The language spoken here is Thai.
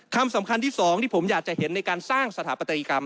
คำสำคัญที่สองที่ผมอยากจะเห็นในการสร้างสถาปัตยกรรม